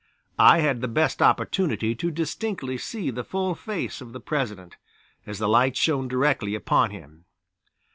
I had the best opportunity to distinctly see the full face of the President, as the light shone directly upon him.